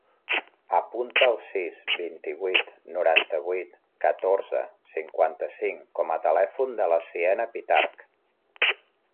Apunta el sis, vint-i-vuit, noranta-vuit, catorze, cinquanta-cinc com a telèfon de la Siena Pitarch.